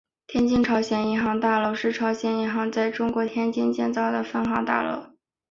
天津朝鲜银行大楼是朝鲜银行在中国天津建造的分行大楼。